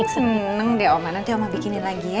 seneng deh oma nanti oma bikinin lagi ya